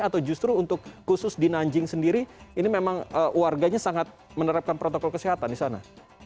atau justru untuk khusus di nanjing sendiri ini memang warganya sangat menerapkan protokol kesehatan di sana